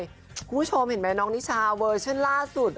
คุณผู้ชมเห็นมั้ยน้องนิชาเวอร์เชิญล่าสุด